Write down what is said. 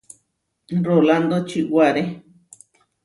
Rolándo čiʼwáre.